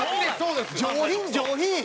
上品上品！